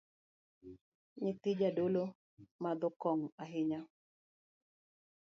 Nyithii jadolo madho kong’o ahinya